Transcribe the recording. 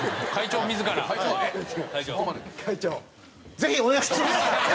ぜひお願いします！